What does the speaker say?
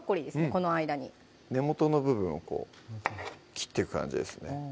この間に根元の部分をこう切っていく感じですね